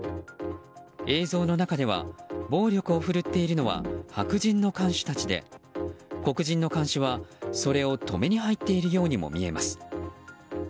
映像の中では暴力を奮っているのは白人の看守たちで黒人の看守はそれを止めに入っているようにも見えます。